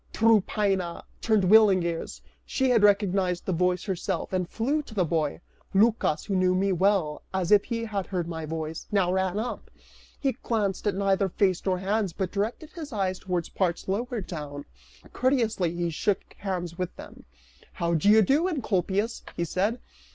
Tryphaena turned willing ears, she had recognized that voice herself, and flew to the boy. Lycas, who knew me as well as if he had heard my voice, now ran up; he glanced at neither face nor hands, but directed his eyes towards parts lower down; courteously he shook hands with them, "How do you do, Encolpius," he said.